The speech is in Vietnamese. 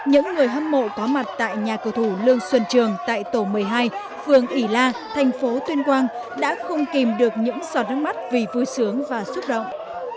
hâm mộ có mặt tại nhà cổ thủ lương xuân trường tại tổ một mươi hai phường ỉ la thành phố tuyên quang đã không kìm được những sọt nước mắt vì vui sướng và xúc động